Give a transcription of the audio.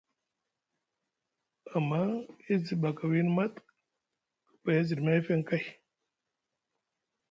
Amma e zi baka wiini mat, kapay a ziɗi meefeŋ kay.